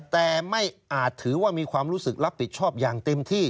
แต่ไม่อาจถือว่ามีความรู้สึกรับผิดชอบอย่างเต็มที่